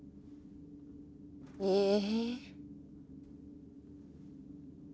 ええ。